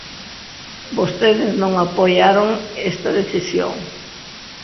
Vostedes non apoiaron esta decisión.